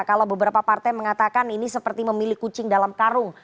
kalau beberapa partai mengatakan ini seperti memilih kucing dalam karung